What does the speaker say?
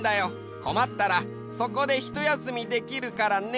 こまったらそこでひとやすみできるからね。